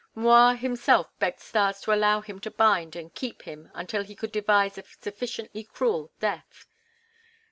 M'Rua himself begged Stas to allow him to bind and keep him until he could devise a sufficiently cruel death.